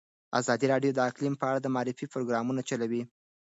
ازادي راډیو د اقلیم په اړه د معارفې پروګرامونه چلولي.